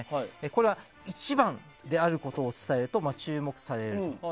これは一番であることを伝えると注目される。